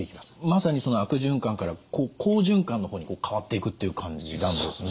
まさにその悪循環から好循環の方に変わっていくという感じなんですね。